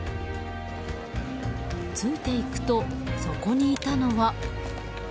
ついていくとそこにいたのは。